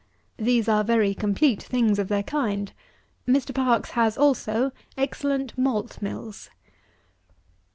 These are very complete things of their kind. Mr. PARKES has, also, excellent Malt Mills.